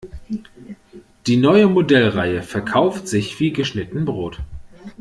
Die neue Modellreihe verkauft sich wie geschnitten Brot.